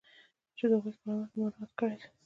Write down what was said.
چې د هغوی کرامت مو مراعات کړی دی.